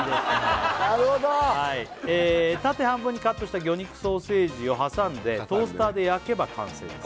はいなるほど縦半分にカットした魚肉ソーセージを挟んでトースターで焼けば完成です